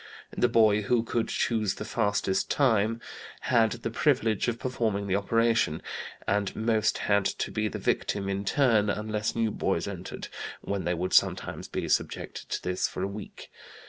The boy who could choose the fastest time had the privilege of performing the operation, and most had to be the victim in turn unless new boys entered, when they would sometimes be subjected to this for a week.